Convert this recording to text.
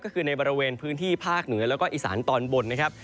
ก็คือในบริเวณพื้นที่ภาคเหนือแล้วก็อีสานตอนบนนะครับ